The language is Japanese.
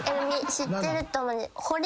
知ってると思う。